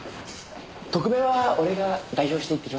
特命は俺が代表して行ってきますんで。